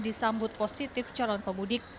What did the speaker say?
disambut positif calon pemudik